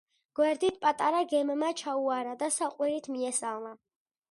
გვერდით პატარა გემმა ჩაუარა და საყვირით მიესალმა.